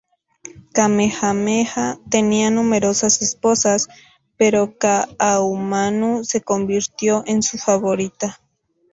Kamehameha tenía numerosas esposas, pero Kaʻahumanu se convirtió en su favorita.